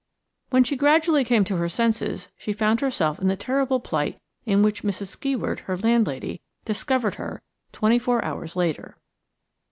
When she gradually came to her senses she found herself in the terrible plight in which Mrs. Skeward–her landlady–discovered her twenty four hours later.